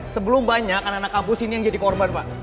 sebelum banyak anak anak kampus ini yang jadi korban pak